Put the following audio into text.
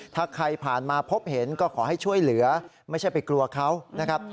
ถ้าใครผ่านมาพบเห็นก็ขอให้ช่วยเหลือไม่ใช่ไปกลัวเขานะครับ